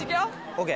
ＯＫ